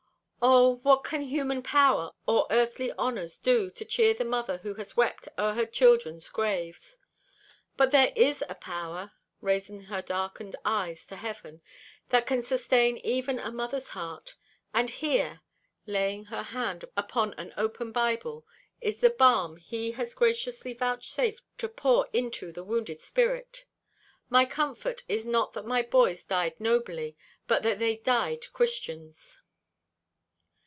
Oh! what can human power or earthly honours do to cheer the mother who has wept o'er her children's graves? But there is a Power," raising her darkened eyes to heaven, "that can sustain even a mother's heart; and here," laying her hand upon an open Bible, "is the balm He has graciously vouchsafed to pour into the wounded spirit. My comfort is not that my boys died nobly, but that they died Christians."